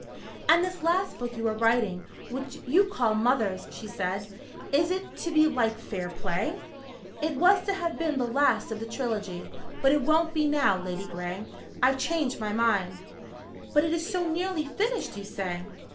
"And this last book you are writing, which you call 'Mothers,'" she said. "Is it to be like 'Fair Play?'" "It was to have been the last of the trilogy. But it won't be now, Ladygray. I've changed my mind." "But it is so nearly finished, you say?"